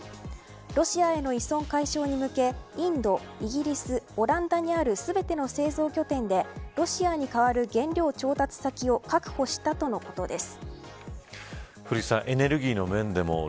ロシアへの依存解消に向けインド、イギリスオランダにある全ての製造拠点でロシアに代わる原料調達先を確保したということです。